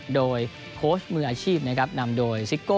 โดยโคชน์มืออาชีพนำโดยซิกโก่